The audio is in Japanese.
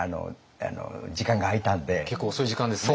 結構遅い時間ですね。